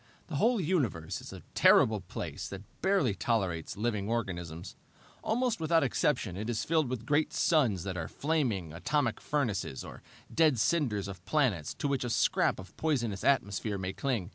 "The whole universe is a terrible place that barely tolerates living organisms. Almost without exception it is filled with great suns that are flaming, atomic furnaces, or dead cinders of planets to which a scrap of poisonous atmosphere may cling.